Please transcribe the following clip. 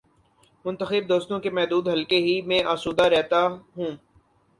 منتخب دوستوں کے محدود حلقے ہی میں آسودہ رہتا ہوں۔